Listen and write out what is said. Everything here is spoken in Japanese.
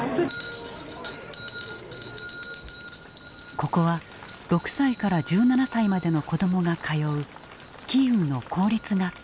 ここは６歳から１７歳までの子どもが通うキーウの公立学校。